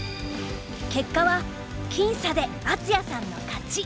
結果は僅差で敦也さんの勝ち。